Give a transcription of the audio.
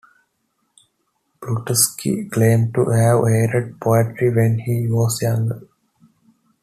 Prelutsky claims to have hated poetry when he was younger.